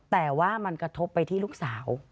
แต่ว่ามันกระทบไปที่ลูกสาว